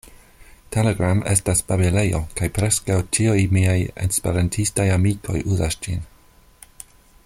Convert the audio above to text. Telegram estas babilejo, kaj preskaŭ ĉiuj miaj Esperantistaj amikoj uzas ĝin.